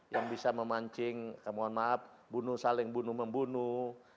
yang bisa memancing mohon maaf bunuh saling bunuh membunuh